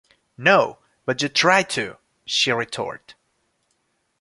"No, but you tried to," she retorted.